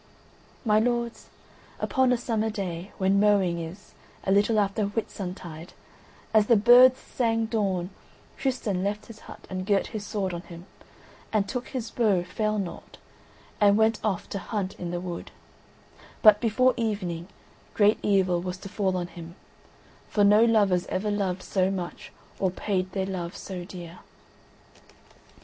My lords, upon a summer day, when mowing is, a little after Whitsuntide, as the birds sang dawn Tristan left his hut and girt his sword on him, and took his bow "Failnaught" and went off to hunt in the wood; but before evening, great evil was to fall on him, for no lovers ever loved so much or paid their love so dear.